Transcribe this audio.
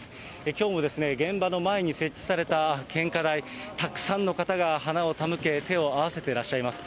きょうも現場の前に設置された献花台、たくさんの方が花を手向け、手を合わせてらっしゃいます。